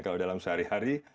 kalau dalam sehari hari